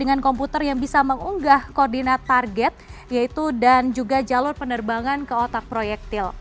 dengan komputer yang bisa mengunggah koordinat target yaitu dan juga jalur penerbangan ke otak proyektil